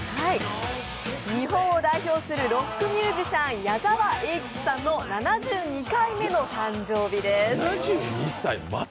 日本を代表するロックミュージシャン、矢沢永吉さんの７２回目の誕生日です。